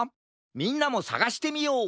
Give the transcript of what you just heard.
みんなもさがしてみよう！